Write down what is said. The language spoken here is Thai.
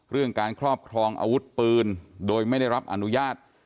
การครอบครองอาวุธปืนโดยไม่ได้รับอนุญาต